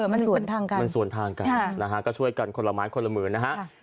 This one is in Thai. มันส่วนทางกันนะฮะก็ช่วยกันคนละมานคนละหมื่นนะฮะ